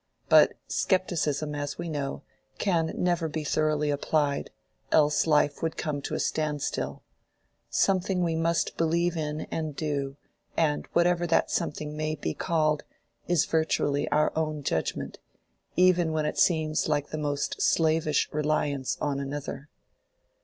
But scepticism, as we know, can never be thoroughly applied, else life would come to a standstill: something we must believe in and do, and whatever that something may be called, it is virtually our own judgment, even when it seems like the most slavish reliance on another.